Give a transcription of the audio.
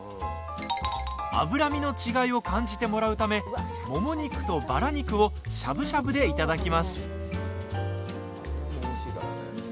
脂身の違いを感じてもらうためもも肉とバラ肉をしゃぶしゃぶで、いただきます。